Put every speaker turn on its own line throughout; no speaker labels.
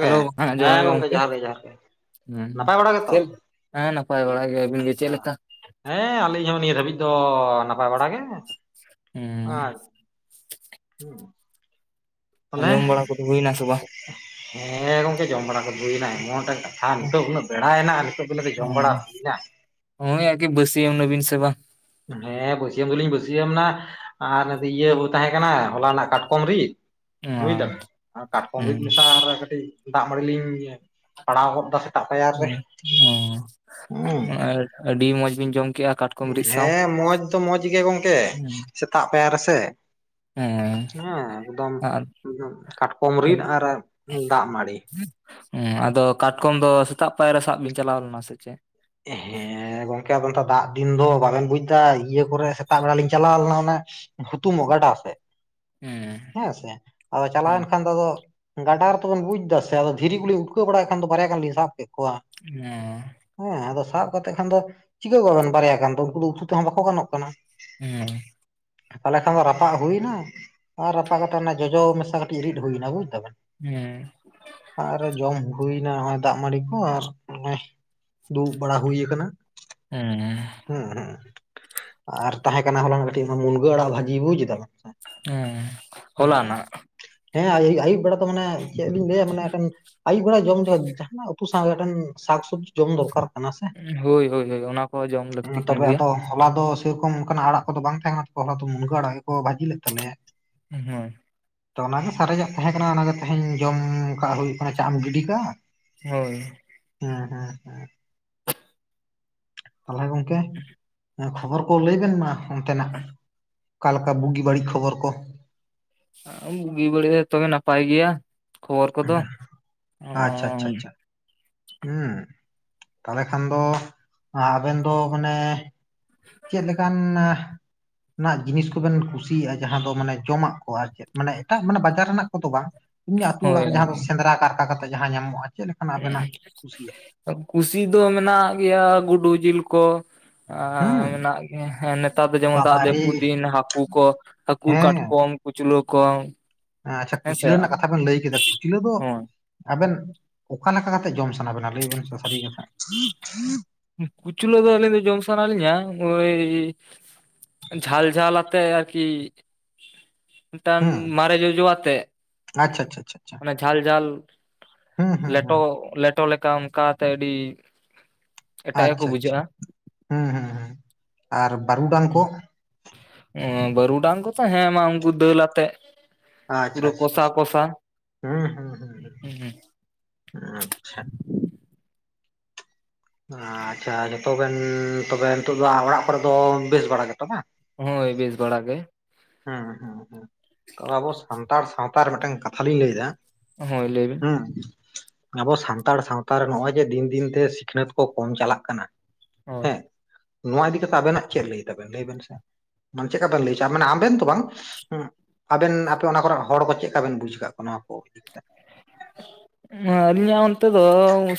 Hello ᱦᱮᱸ ᱡᱚᱦᱟᱨ ᱜᱮ ᱜᱚᱝᱠᱮ᱾ ᱦᱮᱸ
ᱱᱟᱯᱟᱭ ᱵᱟᱲᱟ ᱜᱮᱛᱚ?
ᱪᱮᱞ ᱦᱮᱸ ᱱᱟᱯᱟᱭ ᱵᱟᱲᱟ ᱜᱮ ᱟᱹᱵᱤᱱ ᱜᱮ ᱪᱮᱫ ᱞᱮᱠᱟ?
ᱦᱮᱸ ᱟᱹᱞᱤᱧ ᱦᱚᱸ ᱱᱤᱭᱟᱹ ᱫᱷᱟᱹᱵᱤᱡ ᱫᱚ ᱱᱟᱯᱟᱭ ᱵᱟᱲᱟ ᱜᱮ᱾
ᱩᱸ
ᱟᱨ ᱛᱟᱦᱚᱞᱮ
ᱟᱸᱡᱚᱢ ᱵᱟᱲᱟ ᱠᱚᱫᱚ ᱦᱩᱭᱱᱟ ᱥᱮ ᱵᱟᱝ?
ᱦᱮᱸ ᱜᱚᱝᱠᱮ ᱡᱚᱢ ᱵᱟᱲᱟ ᱦᱩᱭᱮᱱᱟ ᱮᱢᱚᱱᱴᱟᱜ ᱠᱟᱛᱷᱟ ᱱᱤᱛᱚᱜ ᱩᱱᱟᱹᱜ ᱵᱮᱲᱟᱭᱮᱱᱟ ᱟᱨ ᱱᱤᱛᱚᱜ ᱵᱮᱱ ᱞᱟᱹᱭ ᱫᱟ ᱡᱚᱢ ᱵᱟᱲᱟ ᱦᱩᱭᱱᱟ?
ᱦᱩᱜ ᱟᱜᱮ ᱵᱟᱹᱥᱤᱭᱟᱹᱢ ᱱᱟᱵᱤᱱ ᱥᱮᱵᱟ?
ᱦᱮᱸ ᱵᱟᱹᱥᱭᱟᱹᱢ ᱫᱚᱞᱤᱧ ᱯᱟᱹᱥᱭᱟᱹᱢ ᱟᱨ ᱤᱭᱟᱹ ᱛᱟᱦᱮᱸ ᱠᱟᱱᱟ ᱦᱚᱞᱟᱱᱟᱜ ᱠᱟᱴᱠᱚᱢ ᱨᱤᱫ ᱵᱩᱡᱽ ᱫᱟᱢ
ᱦᱮᱸ
ᱠᱟᱴᱠᱚᱢ ᱨᱤᱫ ᱢᱮᱥᱟ ᱠᱟᱹᱴᱤᱡ ᱫᱟᱜᱢᱟᱹᱲᱤ ᱞᱤᱧ ᱤᱭᱟᱹ
ᱚ [unintelligible] ᱟᱹᱰᱤ ᱢᱚᱸᱡᱽ ᱵᱤᱱ ᱡᱚᱢ ᱠᱮᱜᱼᱟ ᱠᱟᱴ
ᱦᱮᱸ ᱢᱚᱡᱽ ᱫᱚ ᱢᱚᱡᱽ ᱜᱮ ᱜᱚᱝᱠᱮ ᱥᱮᱛᱟᱜ ᱯᱟᱭᱟᱨ ᱨᱮᱥᱮ
ᱦᱮᱸ
ᱦᱮᱸ ᱮᱠᱫᱚᱢ
ᱟᱨ
ᱠᱟᱴᱠᱚᱢ ᱨᱤᱫ ᱟᱨ ᱫᱟᱜ ᱢᱟᱲᱤ᱾
ᱦᱮᱸ ᱟᱫᱚ ᱠᱟᱴᱠᱚᱢ ᱫᱚ ᱥᱮᱛᱟᱜ ᱯᱟᱭᱟᱨ ᱨᱮ ᱥᱟᱵ ᱵᱤᱱ ᱪᱟᱞᱟᱣ ᱞᱮᱱᱟ ᱥᱮ ᱪᱮᱫ?
ᱦᱮᱸ ᱦᱮᱸ ᱜᱚᱢᱠᱮ ᱟᱫᱚ ᱱᱮᱛᱟᱨ ᱫᱟᱜ ᱫᱤᱱ ᱫᱚ ᱵᱟᱵᱮᱱ ᱵᱩᱡ ᱮᱫᱟ ᱤᱭᱟᱹ ᱠᱚᱨᱮ ᱥᱮᱛᱟᱜ ᱵᱮᱲᱟ ᱞᱤᱧ ᱪᱟᱞᱟᱣ ᱞᱮᱱᱟ ᱚᱱᱮ ᱦᱩᱛᱩᱢᱚᱜ ᱜᱟᱰᱟ ᱥᱮᱫ ᱦᱮᱸ ᱥᱮ ᱟᱫᱚ
ᱦᱮᱸ
ᱪᱟᱞᱟᱣᱮᱱ ᱠᱷᱟᱱ ᱫᱚ ᱟᱫᱚ ᱜᱟᱰᱟ ᱨᱮ ᱛᱚ ᱵᱚᱱ ᱵᱩᱡ ᱫᱟ ᱥᱮ ᱟᱫᱚ ᱫᱷᱤᱨᱤ ᱠᱚᱞᱤᱧ ᱩᱴᱠᱟᱹᱣ ᱵᱟᱲᱟᱭᱮᱫ ᱠᱷᱟᱱ ᱫᱚ ᱵᱟᱨᱭᱟ ᱜᱟᱱ ᱞᱤᱧ ᱥᱟᱵ ᱠᱮᱫ ᱠᱚᱣᱟ ᱾
[unintelligible]
ᱦᱮᱸ ᱟᱫᱚ ᱥᱟᱵ ᱠᱟᱛᱮᱜ ᱠᱷᱟᱱ ᱫᱚ ᱪᱤᱠᱟᱹ ᱠᱚᱜᱣᱟᱵᱮᱱ ᱵᱟᱨᱭᱟ ᱜᱟᱱ ᱫᱚ ᱩᱱᱠᱩ ᱫᱚ ᱩᱛᱩ ᱛᱮᱦᱚᱸ ᱵᱟᱠᱚ ᱜᱟᱱᱚᱜ ᱠᱟᱱᱟ ᱾
ᱦᱩᱸ
ᱛᱟᱦᱚᱞᱮ ᱠᱷᱟᱱ ᱫᱚ ᱨᱟᱯᱟᱜ ᱦᱩᱭ ᱮᱱᱟ ᱾ ᱟᱨ ᱨᱟᱯᱟᱜ ᱠᱟᱛᱮ ᱚᱱᱟ ᱡᱚᱡᱚ ᱢᱮᱥᱟ ᱠᱟᱹᱴᱤᱡ ᱨᱤᱲᱫ ᱦᱩᱭᱱᱟ ᱵᱩᱡᱽ ᱫᱟ ᱵᱮᱱ ᱾
ᱦᱩᱸ
ᱟᱨ ᱡᱚᱢ ᱦᱩᱭᱱᱟ ᱱᱚᱜᱚᱭ ᱫᱟᱜ ᱢᱟᱲᱤ ᱠᱚ ᱟᱨ ᱱᱚᱜ [unintelligible] ᱫᱩᱲᱩᱵ ᱵᱟᱲᱟ ᱦᱩᱭ ᱟᱠᱟᱱᱟ ᱾
ᱦᱩᱸ
ᱦᱩᱸ ᱦᱩᱸ ᱟᱨ ᱛᱟᱦᱮᱸ ᱠᱟᱱᱟ ᱦᱚᱞᱟᱱᱟᱜ ᱠᱟᱹᱴᱤᱡ ᱢᱩᱱᱜᱟᱹ ᱟᱲᱟᱜ ᱵᱷᱟᱹᱡᱤ ᱵᱩᱡᱽ ᱮᱫᱟᱢ, ᱥᱮ᱾
ᱦᱮᱸ ᱦᱚᱞᱟᱱᱟᱜ ᱾
ᱦᱮᱸ ᱟᱹᱭᱩᱵ ᱵᱮᱲᱟ ᱫᱚ ᱢᱟᱱᱮ ᱪᱮᱫ ᱞᱤᱧ ᱞᱟᱹᱭᱟ ᱢᱟᱱᱮ ᱮᱠᱟᱱ ᱟᱹᱭᱩᱵ ᱵᱮᱲᱟ ᱡᱚᱢ ᱫᱚ ᱡᱟᱦᱟᱱᱟᱜ ᱩᱛᱩ ᱥᱟᱶ ᱜᱮ ᱢᱤᱫᱴᱟᱝ ᱥᱟᱠ ᱥᱚᱵᱽᱡᱤ ᱡᱚᱢ ᱫᱚᱨᱠᱟᱨ ᱠᱟᱱᱟ ᱥᱮ,
ᱦᱳᱭ ᱦᱳᱭ ᱦᱳᱭ ᱚᱱᱟ ᱠᱚ ᱡᱚᱢ ᱞᱟᱹᱠᱛᱤ ᱠᱟᱱ
ᱛᱚᱵᱮ
ᱜᱮᱭᱟ
ᱟᱫᱚ ᱦᱚᱞᱟ ᱫᱚ ᱥᱮᱨᱚᱠᱚᱢ ᱚᱱᱠᱟᱱᱟᱜ ᱟᱲᱟᱜ ᱠᱚᱫᱚ ᱵᱟᱝ ᱛᱟᱦᱮᱸ ᱠᱟᱱᱟ, ᱛᱚ ᱦᱚᱞᱟ ᱫᱚ ᱢᱩᱱᱜᱟᱹ ᱟᱲᱟᱜ ᱜᱮᱠᱚ ᱵᱷᱟᱹᱡᱤ ᱞᱮᱫ ᱛᱟᱞᱮᱭᱟ ᱾
ᱦᱩᱸ
ᱛᱚ ᱚᱱᱟᱜᱮ ᱥᱟᱨᱮᱡᱟᱜ ᱛᱟᱦᱮᱸ ᱠᱟᱱᱟ ᱚᱱᱟᱜᱮ ᱛᱮᱦᱮᱸᱧ ᱡᱚᱢ ᱠᱟᱜ ᱦᱩᱭᱩᱜ ᱠᱟᱱᱟ ᱪᱟᱜ ᱮᱢ ᱜᱤᱰᱤ ᱠᱟᱜᱼᱟ ᱾
ᱦᱳᱭ
ᱦᱩᱸ ᱦᱩᱸ ᱛᱟᱦᱚᱞᱮ ᱜᱚᱢᱠᱮ ᱠᱷᱚᱵᱚᱨ ᱠᱚ ᱞᱟᱹᱭ ᱵᱮᱱ ᱢᱟ᱾ ᱚᱱᱛᱮᱱᱟᱜ, ᱚᱠᱟ ᱞᱮᱠᱟ ᱵᱩᱜᱤ ᱵᱟᱹᱲᱤᱡ ᱠᱷᱚᱵᱚᱨ ᱠᱚ ᱾
ᱵᱩᱜᱤ ᱵᱟᱹᱲᱤᱡ ᱡᱚᱛᱚ ᱜᱮ ᱱᱟᱯᱟᱭ ᱜᱮᱭᱟ ᱠᱷᱚᱵᱚᱨ ᱠᱚᱫᱚ᱾
ᱦᱮᱸ ᱛᱟᱦᱚᱞᱮ ᱠᱷᱟᱱ ᱫᱚ ᱟᱵᱮᱱ ᱫᱚ ᱢᱟᱱᱮ-
[unintelligible]
ᱪᱮᱫ ᱞᱮᱠᱟᱱᱟ ᱡᱤᱱᱤᱥ ᱠᱚᱵᱤᱱ ᱠᱩᱥᱤᱭᱟᱜᱼᱟ ᱡᱟᱦᱟᱸ ᱫᱚ ᱢᱟᱱᱮ ᱡᱚᱢᱟᱜ ᱠᱚ ᱟᱹᱨᱠᱤ ᱾ ᱢᱟᱱᱮ ᱮᱴᱟᱜ ᱢᱟᱱᱮ ᱵᱟᱡᱟᱨ ᱨᱮᱱᱟᱜ ᱠᱚᱫᱚ ᱵᱟᱝ ᱮᱢᱱᱤ, ᱟᱹᱛᱩ ᱚᱲᱟᱜ
ᱦᱳᱭ
ᱨᱮ ᱡᱟᱦᱟᱸ
ᱟᱨᱠᱤ
ᱥᱮᱸᱫᱽᱨᱟ ᱠᱟᱨᱠᱟ ᱠᱟᱛᱮ ᱡᱟᱦᱟᱸ ᱧᱟᱢᱚᱜᱼᱟ᱾ ᱪᱮᱫ ᱞᱮᱠᱟᱱᱟᱜ ᱟᱵᱮᱱᱟᱜ ᱠᱩᱥᱤᱭᱟᱜ
ᱠᱩᱥᱤ ᱫᱚ ᱢᱮᱱᱟᱜ ᱜᱮᱭᱟ ᱜᱩᱰᱩ ᱡᱤᱞ ᱠᱚ᱾ ᱟᱨ
ᱦᱩᱸ
ᱢᱮᱱᱟᱜ, ᱦᱮᱸ ᱱᱮᱛᱟᱨ ᱫᱚ ᱡᱮᱢᱚᱱ ᱫᱟᱜ
ᱵᱟᱵᱟᱨᱮ
ᱡᱟᱹᱯᱩᱫ ᱫᱤᱱ ᱦᱟᱹᱠᱩ ᱠᱚ ᱦᱟᱹᱠᱩ,
ᱦᱮᱸ
ᱠᱟᱴᱠᱚᱢ, ᱠᱩᱪᱞᱟᱹ ᱠᱚ᱾
ᱟᱪᱪᱷᱟ
ᱦᱮᱸᱥᱮ
ᱠᱩᱪᱞᱟᱹ ᱨᱮᱱᱟᱜ ᱠᱟᱛᱷᱟ ᱵᱮᱱ ᱞᱟᱹᱭ ᱠᱮᱫᱟ ᱠᱩᱪᱞᱟᱹ ᱫᱚ
ᱦᱳᱭ
ᱟᱵᱮᱱ ᱚᱠᱟ ᱞᱮᱠᱟ ᱠᱟᱛᱮᱜ ᱡᱚᱢ ᱥᱟᱱᱟ ᱵᱮᱱᱟ? ᱞᱟᱹᱭ ᱵᱮᱱ ᱥᱮ ᱥᱟᱹᱨᱤ ᱠᱟᱛᱷᱟ᱾
ᱠᱩᱪᱞᱟᱹ ᱫᱚ ᱟᱹᱞᱤᱧ ᱫᱚ ᱡᱚᱢ ᱥᱟᱱᱟ ᱞᱤᱧᱟ ᱳᱭ ᱡᱷᱟᱞ ᱡᱷᱟᱞ ᱟᱛᱮ ᱟᱹᱨᱠᱤ, ᱢᱤᱫᱴᱟᱱ
ᱦᱩᱸ
ᱢᱟᱨᱮ ᱡᱚᱡᱚ ᱟᱛᱮ
ᱟᱪᱪᱷᱟ ᱟᱪᱪᱷᱟ ᱟᱪᱪᱷᱟ ᱟᱪᱪᱷᱟ
ᱡᱷᱟᱞ ᱡᱷᱟᱞ
ᱦᱩᱸ ᱦᱩᱸ
ᱞᱮᱴᱚ,
ᱦᱩᱸ
ᱞᱮᱴᱚ ᱞᱮᱠᱟ ᱚᱱᱠᱟᱛᱮ ᱟᱹᱰᱤ ᱮᱴᱟᱜ ᱜᱮᱠᱚ
ᱟᱪᱪᱷᱟ ᱟᱪᱪᱷᱟ
ᱵᱩᱡᱷᱟᱹᱜᱼᱟ
ᱦᱩᱸ ᱦᱩᱸ, ᱟᱨ ᱵᱟᱨᱩᱰᱟᱝ
ᱦᱩᱸ
ᱠᱚ?
ᱵᱟᱹᱨᱩᱰᱟᱝ ᱠᱚᱛᱚ ᱦᱮᱸ ᱢᱟ ᱩᱱᱠᱩ ᱫᱟᱹᱞ ᱟᱛᱮ᱾
ᱟᱪᱪᱷᱟ
ᱯᱩᱨᱟᱹ
ᱟᱪᱪᱷᱟ
ᱠᱚᱥᱟ
ᱟᱪᱪᱷᱟ
ᱠᱚᱥᱟ
ᱦᱩᱸ ᱦᱩᱸ ᱦᱩᱸ
ᱦᱮᱸ ᱾
ᱟᱪᱪᱷᱟ, ᱟᱪᱪᱷᱟ ᱡᱚᱛᱚ ᱜᱮ ᱛᱚᱵᱮ ᱱᱤᱛᱚᱜ ᱫᱚ ᱚᱲᱟᱜ ᱠᱚᱨᱮ ᱫᱚ ᱵᱮᱥ ᱵᱟᱲᱟ ᱜᱮᱛᱚ ᱵᱟᱝ?
ᱦᱳᱭ ᱵᱮᱥ ᱵᱷᱲᱟ ᱜᱮ᱾
ᱦᱮᱸ ᱦᱩᱸ ᱦᱩᱸ ᱛᱚ ᱟᱵᱚ ᱥᱟᱱᱛᱟᱲ ᱥᱟᱶᱛᱟ ᱨᱮ ᱢᱤᱫᱴᱟᱝ ᱠᱟᱛᱷᱟ ᱞᱤᱧ ᱞᱟᱹᱭ ᱮᱫᱟ?
ᱦᱳ ᱞᱟᱹᱭᱵᱤᱱ?
ᱦᱩᱸ ᱟᱵᱚ ᱥᱟᱱᱛᱟᱲ ᱥᱟᱶᱛᱟ ᱨᱮ ᱱᱚᱜ ᱚᱭ ᱡᱮ ᱫᱤᱱ ᱫᱤᱱ ᱛᱮ ᱥᱤᱠᱷᱱᱟᱹᱛ ᱠᱚ ᱠᱚᱢ ᱪᱟᱞᱟᱜ ᱠᱟᱱᱟ᱾
ᱦᱳᱭ
ᱦᱮᱸ ᱱᱚᱣᱟ ᱤᱫᱤ ᱠᱟᱛᱮᱜ ᱟᱵᱮᱱᱟᱜ ᱪᱮᱫ ᱞᱟᱹᱭ ᱛᱟᱵᱮᱱ, ᱞᱟᱹᱭ ᱵᱮᱱ ᱥᱮ, ᱪᱮᱫᱠᱟ ᱵᱮᱱ ᱞᱟᱹᱭ ᱦᱚᱮ ᱟᱢ? ᱟᱵᱮᱱ ᱛᱚ ᱵᱟᱝ ᱟᱵᱮᱱ ᱟᱯᱮ ᱚᱱᱟ ᱠᱚᱨᱮ ᱦᱚᱲ ᱠᱚ ᱪᱮ ᱠᱟ ᱵᱮᱱ ᱵᱩᱡ ᱟᱠᱟᱫ ᱠᱚᱣᱟ ᱱᱚᱣᱟ ᱠᱚ ᱤᱫᱤ ᱠᱟᱛᱮ?
[inaudible] ᱟᱹᱞᱤᱧᱟᱜ ᱚᱱᱛᱮ ᱫᱚ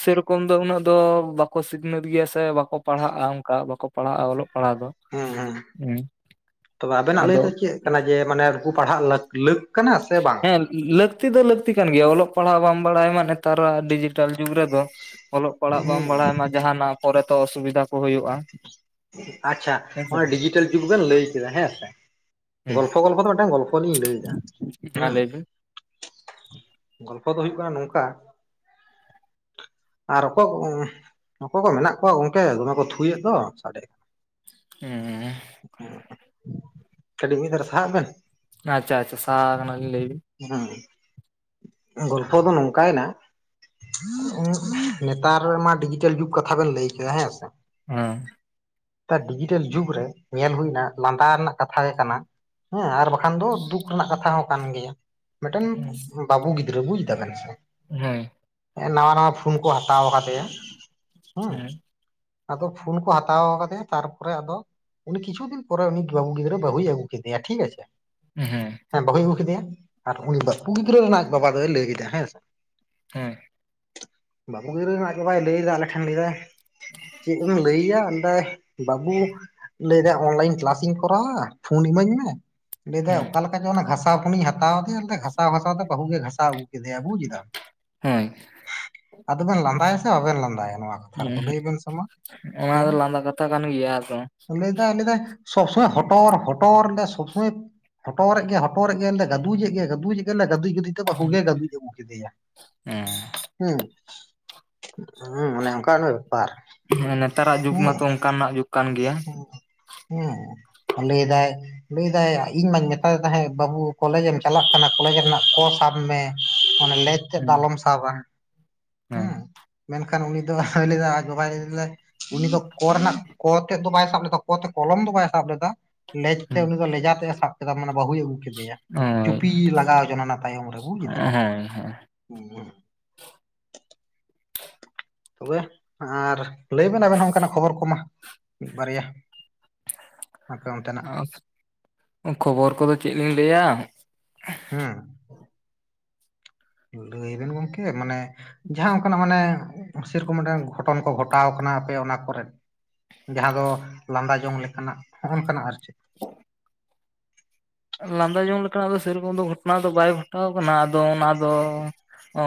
ᱥᱮᱨᱚᱠᱚᱢ ᱫᱚ ᱩᱱᱟᱹᱜ ᱫᱚ, ᱵᱟᱠᱚ ᱥᱤᱠᱷᱱᱟᱹᱛ ᱜᱮᱭᱟ ᱥᱮ ᱵᱟᱠᱚ ᱯᱟᱲᱦᱟᱜᱼᱟ᱾ ᱚᱝᱠᱟ ᱵᱟᱠᱚ ᱯᱟᱲᱦᱟᱜᱼᱟ᱾ ᱚᱞᱚᱜ ᱯᱟᱲᱦᱟᱜ ᱫᱚ᱾
ᱦᱮᱸ ᱦᱮᱸ ᱛᱚᱵᱮ ᱟᱵᱮᱱᱟᱜ ᱞᱟᱹᱭ
ᱟᱫᱚ
ᱫᱚ ᱪᱮᱫ? ᱠᱟᱱᱟ ᱡᱮ, ᱢᱟᱱᱮ ᱩᱱᱠᱩ ᱯᱟᱲᱦᱟᱜ ᱞᱟᱠ ᱞᱟᱹᱠ ᱠᱟᱱᱟ ᱥᱮ ᱵᱟᱝ?
ᱦᱮᱸ ᱞᱟᱹᱠᱛᱤ ᱫᱚ ᱞᱟᱹᱠᱛᱤ ᱠᱟᱱ ᱜᱮᱭᱟ, ᱚᱞᱚᱜ ᱯᱟᱲᱦᱟᱜ ᱵᱟᱢ ᱵᱟᱲᱟᱭ ᱢᱟ ᱱᱮᱛᱟᱨᱟᱜ ᱰᱤᱡᱤᱴᱟᱞ ᱡᱩᱜᱽ ᱨᱮᱫᱚ᱾ ᱚᱞᱚᱜ ᱯᱟᱲᱦᱟᱜ ᱵᱟᱢ
ᱦᱮᱸ
ᱵᱟᱲᱟᱭ ᱢᱟ ᱡᱟᱦᱟᱱᱟᱜ ᱯᱚᱨ ᱛᱚ ᱚᱥᱩᱵᱤᱫᱟ ᱠᱚ ᱦᱩᱭᱩᱜᱼᱟ᱾
ᱟᱪᱪᱷᱟ
ᱦᱮᱸᱥᱮ
ᱚᱱᱟ ᱰᱤᱡᱤᱴᱟᱞ ᱡᱩᱜᱽ ᱵᱮᱱ ᱞᱟᱹᱭ ᱠᱮᱫᱟ ᱦᱮᱸᱥᱮ
ᱦᱮᱸ
ᱜᱚᱞᱯᱷᱚ ᱜᱚᱞᱯᱷᱚ ᱛᱮ ᱢᱤᱴᱟᱝ ᱜᱚᱞᱯᱷᱚ ᱞᱤᱧ ᱞᱟᱹᱭ ᱮᱫᱟ
ᱢᱟ
ᱦᱮᱸ
ᱞᱟᱹᱭ ᱵᱤᱱ
ᱜᱚᱞᱯᱷᱚ ᱫᱚ ᱦᱩᱭᱩᱜ ᱠᱟᱱᱟ᱾ ᱱᱚᱝᱠᱟ ᱟᱨ ᱚᱠᱚᱭ ᱠᱚ ᱚᱠᱚᱭ ᱠᱚ ᱢᱮᱱᱟᱜ ᱠᱚᱣᱟ ᱜᱚᱝᱠᱮ ᱫᱚᱢᱮ ᱠᱚ ᱛᱷᱩᱭᱮᱫ ᱫᱚ᱾ [inaudible]
ᱦᱩᱸᱸᱸ
ᱠᱟᱹᱴᱤᱡ ᱢᱤᱫ ᱫᱷᱟᱣ ᱨᱮ ᱥᱟᱦᱟᱜ ᱵᱮᱱ
ᱟᱪᱪᱷᱟ ᱟᱪᱪᱷᱟ ᱥᱟᱦᱟ ᱠᱟᱱᱟᱞᱤᱧ ᱞᱟᱹᱭ ᱵᱤᱱ?
ᱩᱸ ᱜᱚᱞᱯᱚ ᱫᱚ ᱱᱚᱝ ᱠᱟᱭᱱᱟ ᱱᱮᱛᱟᱨ ᱢᱟ ᱰᱤᱡᱤᱴᱮᱞ ᱡᱩᱜᱽ ᱠᱟᱛᱷᱟ ᱵᱮᱱ ᱞᱟᱹᱭ ᱠᱮᱫᱟ ᱦᱮᱸ ᱥᱮ᱾
ᱦᱩᱸ
ᱱᱮᱛᱟᱨ ᱰᱤᱡᱤᱴᱮᱞ ᱡᱩᱜᱽ ᱨᱮ ᱧᱮᱞ ᱦᱩᱭᱱᱟ᱾ ᱞᱟᱸᱫᱟ ᱨᱮᱱᱟᱜ ᱠᱟᱛᱷᱟ ᱜᱮ ᱠᱟᱱᱟ᱾ ᱦᱮᱸ ᱟᱨ ᱵᱟᱠᱷᱟᱱ ᱫᱚ ᱫᱩᱠ ᱨᱮᱱᱟᱜ ᱠᱟᱛᱷᱟ ᱦᱚᱸ ᱠᱟᱱ ᱜᱮᱭᱟ᱾ ᱢᱤᱫᱴᱮᱱ ᱵᱟᱹᱵᱩ ᱜᱤᱫᱽᱨᱟᱹ ᱵᱩᱡ ᱫᱟ ᱵᱮᱱ ᱥᱮ
ᱦᱩᱸ
ᱱᱟᱣᱟ ᱱᱟᱣᱟ ᱯᱷᱩᱱ ᱠᱚ ᱦᱟᱛᱟᱣ ᱟᱠᱟᱫᱮᱭᱟ ᱦᱩᱸ
ᱦᱮᱸ
ᱟᱫᱚ ᱯᱷᱩᱱ ᱠᱚ ᱦᱟᱛ ᱦᱟᱛᱟᱣ ᱠᱟᱫᱮᱭᱟ ᱛᱟᱨᱯᱚᱨᱮ ᱟᱫᱚ, ᱩᱱᱤ ᱠᱤᱪᱷᱩ ᱫᱤᱱ ᱯᱚᱨ ᱩᱱᱤ ᱵᱟᱹᱵᱩ ᱜᱤᱫᱽᱨᱟᱹ ᱵᱟᱹᱦᱩᱭ ᱟᱹᱜᱩ ᱠᱮᱫᱮᱭᱟ ᱴᱷᱤᱠ ᱟᱪᱷᱮ
ᱦᱮᱸ
ᱦᱮᱸ ᱵᱟᱦᱩ ᱟᱹᱜᱩ ᱠᱮᱫᱮᱭᱟ ᱟᱨ ᱩᱱᱤ, ᱵᱟᱯᱩ ᱜᱤᱫᱽᱨᱟᱹ ᱨᱮᱱ ᱟᱜ ᱵᱟᱵᱟ ᱫᱚᱭ ᱞᱟᱹᱭ ᱭᱮᱫᱟ ᱦᱮᱸ ᱥᱮ
[inaudible]
ᱵᱟᱹᱵᱩ ᱜᱤᱫᱨᱟᱹ ᱨᱮᱱ ᱟᱡ ᱵᱟᱵᱟ ᱞᱟᱹᱭᱟ ᱟᱭᱟ ᱟᱞᱮ ᱴᱷᱮᱱ ᱞᱟ. ᱭ ᱫᱟᱭ ᱟᱫᱚ ᱪᱮᱫ ᱮᱢ ᱞᱟᱹᱭᱟ ᱵᱟᱹᱵᱩ ᱞᱟᱹᱭᱫᱟᱭ ᱚᱱᱞᱟᱭᱤᱱ ᱠᱤᱞᱟᱥ ᱤᱧ ᱠᱚᱨᱟᱣᱟ ᱯᱷᱳᱱ ᱤᱢᱟᱹᱧ ᱢᱮ ᱞᱟᱹᱭᱮᱫᱟ
ᱦᱮᱸ
ᱚᱠᱟᱞ ᱞᱮᱠᱟ ᱪᱚ ᱚᱱᱟ ᱜᱷᱟᱥᱟᱣ ᱯᱷᱩᱱ ᱤᱧ ᱦᱟᱛᱟᱣ ᱠᱮᱫᱮᱭᱟᱮ ᱜᱷᱟᱥᱟᱣ ᱜᱷᱟᱥᱟᱣ ᱛᱮ ᱵᱟᱹᱦᱩ ᱜᱮ ᱜᱷᱟᱥᱟᱣ ᱟᱹᱜᱩ ᱠᱮᱫᱮᱭᱟ ᱵᱩᱡ ᱫᱟᱢ
ᱦᱳᱭ
ᱟᱫᱚ ᱵᱮᱱ ᱞᱟᱸᱫᱟᱭᱟ ᱥᱮ ᱵᱟᱵᱮᱱ ᱞᱟᱸᱫᱟᱭᱟ, ᱱᱚᱣᱟ ᱠᱟᱛᱷᱟ ᱨᱮᱫᱚ
ᱦᱳᱭ
ᱞᱟᱹᱭ ᱵᱮᱱ ᱥᱮ ᱢᱟ
ᱚᱱᱟ
ᱦᱮᱸ
ᱫᱚ ᱞᱟᱸᱫᱟ ᱠᱟᱛᱷᱟ ᱠᱟᱱ ᱜᱮᱭᱟ ᱟᱫᱚ
ᱞᱟᱹᱭ ᱫᱟᱭ ᱞᱟᱹᱭ ᱮᱫᱭ ᱥᱚᱵ ᱥᱚᱢᱚᱭ ᱦᱚᱴᱚᱨ ᱦᱚᱴᱚᱨ ᱥᱚᱵ ᱥᱚᱢᱚᱭ ᱦᱚᱴᱚᱨ ᱮᱜ ᱜᱮᱭᱟ ᱦᱚᱴᱳ ᱨᱮᱜ ᱜᱮᱭᱟ ᱞᱮᱫᱟ ᱜᱟᱫᱩᱡ ᱮ ᱜᱟᱩᱫᱡ ᱜᱟᱫᱩᱡ ᱵᱟᱹᱦᱩ ᱜᱮ ᱜᱟᱫᱩᱡ ᱟᱜᱩ ᱠᱮᱫᱮᱭᱟ᱾ ᱦᱩᱸ ᱦᱩᱸ ᱚᱱᱮ ᱚᱝᱠᱟ ᱜᱮ ᱵᱮᱯᱟᱨ᱾
ᱦᱮᱸ ᱱᱮᱛᱟᱨ ᱟᱜ ᱡᱩᱜᱽ
ᱦᱮᱸ
ᱢᱟᱛᱚ ᱚᱱᱠᱟᱱᱟᱜ ᱡᱩᱜᱽ ᱠᱟᱱ ᱜᱮᱭᱟ᱾
ᱦᱮᱸ ᱞᱮᱭ ᱫᱟᱭ ᱞᱟᱹᱭᱫᱟᱭ ᱤᱧ ᱢᱟᱧ ᱢᱮᱛᱟᱭ ᱛᱟᱦᱮᱸᱫ ᱵᱟᱹᱵᱩ ᱠᱚᱞᱮᱡ ᱮᱢ ᱪᱟᱞᱟᱜ ᱠᱟᱱᱟ ᱠᱚᱞᱮᱡ ᱨᱮᱱᱟᱜ ᱠᱚ ᱥᱟᱵ ᱢᱮ᱾ ᱚᱱᱮ ᱞᱮᱡᱽ ᱛᱮ ᱫᱚ
ᱦᱮᱸ
ᱟᱞᱚᱢ ᱥᱟᱵᱟ ᱦᱮᱸ᱾ ᱢᱮᱱᱠᱷᱟᱱ ᱩᱱᱤ ᱫᱚᱭ ᱞᱟᱹᱭ ᱫᱟ ᱟᱡ ᱵᱟᱵᱟᱭ ᱞᱟᱹᱭ ᱞᱮᱫᱟᱭ ᱩᱱᱤ ᱫᱚ᱾ ᱠᱚ ᱨᱮᱱᱟᱜ ᱠᱚ ᱛᱮᱫ ᱫᱚ ᱵᱟᱭ ᱥᱟᱵ ᱞᱮᱫᱟ ᱠᱚ ᱛᱮ ᱠᱚᱞᱚᱢ ᱫᱚ ᱵᱟᱭ ᱥᱟᱵ ᱞᱮᱫᱟ ᱞᱮᱡ ᱛᱮ ᱩᱱᱤ ᱫᱚ ᱞᱮᱡᱟ ᱛᱮᱫ ᱮ ᱥᱟᱵ ᱠᱮᱫᱟ᱾ ᱵᱟᱹᱦᱩᱭ ᱟᱹᱜᱩ ᱠᱮᱫᱮᱭᱟ
ᱦᱳᱭ ᱦᱳᱭ
ᱪᱩᱯᱤ ᱞᱟᱜᱟᱣ ᱡᱚ ᱚᱱᱟ ᱛᱟᱭᱚᱢ ᱨᱮ ᱵᱩ ᱠᱮᱫᱟᱵᱮᱱ᱾
ᱦᱳᱭ
ᱦᱮᱸ᱾ ᱛᱚᱵᱮ ᱟᱨ ᱞᱟᱹᱭ ᱵᱮᱱ ᱟᱵᱮᱱ ᱦᱚᱸᱼᱼ ᱠᱷᱚᱵᱚᱨ ᱠᱚᱢᱟᱼᱼ ᱢᱤᱫ ᱵᱟᱨᱭᱟ᱾ ᱟᱯᱮ ᱚᱱᱛᱮᱱᱟᱜ
ᱟᱨ ᱠᱷᱚᱵᱚᱨ ᱠᱚᱫᱚ ᱪᱮᱫ ᱞᱤᱧ ᱞᱮᱹᱭᱟ᱾
ᱦᱩᱸ᱾ ᱞᱟᱹᱭᱵᱮᱱ ᱜᱚᱝᱠᱮ ᱢᱟᱱᱮᱼᱼ ᱡᱟᱦᱟᱸ ᱚᱱᱠᱟᱱᱟᱜ ᱢᱟᱱᱮ ᱥᱮᱨᱚᱠᱚᱢ ᱢᱤᱫᱴᱟᱝ ᱜᱷᱚᱴᱚᱱ ᱠᱚ ᱜᱷᱚᱴᱟᱣ ᱠᱟᱱᱟ ᱟᱯᱮ ᱚᱱᱟ ᱠᱚᱨᱮᱫ᱾ ᱡᱟᱦᱟᱸ ᱫᱚ ᱞᱟᱸᱫᱟ ᱡᱚᱝ ᱞᱮᱠᱟᱱᱟᱜ ᱦᱚᱜ ᱱᱚᱝᱠᱟᱱᱟᱜ ᱟᱨ ᱪᱮᱫ᱾
[unintelligible] ᱞᱟᱸᱫᱟ ᱡᱚᱝ ᱞᱮᱠᱟᱱᱟᱜ ᱫᱚ ᱥᱮᱨᱚᱠᱚᱢ ᱫᱚ ᱜᱷᱚᱴᱚᱱᱟ ᱫᱚ ᱵᱟᱭ ᱜᱷᱚᱴᱟᱣ ᱠᱟᱱᱟ ᱟᱫᱚ ᱚᱱᱟ ᱫᱚ᱾